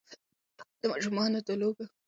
د ماشومانو د لوبو نوعیت د موسم پر اساس بدلېږي.